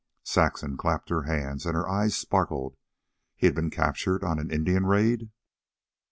Saxon clapped her hands, and her eyes sparkled: "He'd been captured on an Indian raid!"